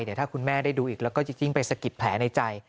เดี๋ยวถ้าคุณแม่ได้ดูอีกแล้วก็จะยิ่งไปสะกิดแผลในใจ